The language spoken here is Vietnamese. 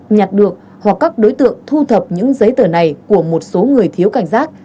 nhặt được hoặc các đối tượng thu thập những giấy tờ này của một số người thiếu cảnh giác